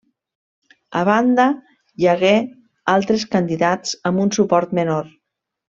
A banda hi hagué altres candidats amb un suport menor.